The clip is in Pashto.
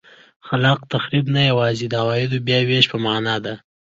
خلاق تخریب نه یوازې د عوایدو بیا وېش په معنا ده.